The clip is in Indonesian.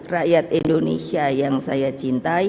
rakyat indonesia yang saya cintai